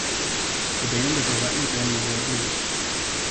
The band is a Latin Grammy Award winner.